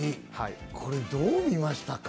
これ、どう見ましたか？